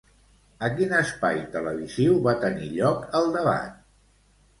A quin espai televisiu va tenir lloc el debat?